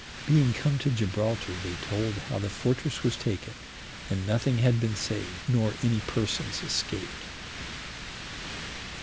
Being come to Gibraltar, they told how the fortress was taken, and nothing had been saved, nor any persons escaped.